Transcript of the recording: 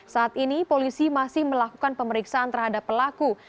saat ini polisi masih melakukan pemeriksaan terhadap pelaku